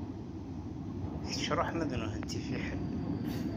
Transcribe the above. Kečč ṛuḥ ma d nutenti fiḥel.